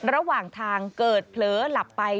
ระหว่างทางเกิดเผลอหลับไป